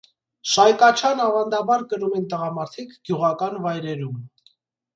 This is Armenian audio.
Շայկաչան ավանդաբար կրում են տղամարդիկ գյուղական վայրերում։